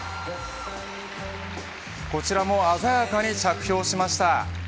こちらも鮮やかに着氷しました。